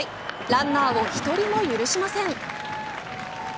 ランナーを１人も許しません。